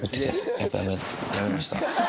やっぱやめました。